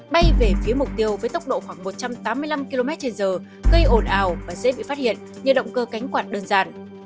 bay về phía mục tiêu với tốc độ khoảng một trăm tám mươi năm km trên giờ gây ồn ào và dễ bị phát hiện như động cơ cánh quạt đơn giản